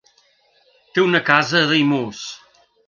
Té una casa a Daimús.